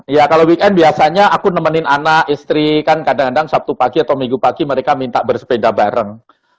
ya kalau weekend biasanya aku nemenin anak istri kan kadang kadang sabtu pagi atau minggu pagi mereka minta bersepeda bareng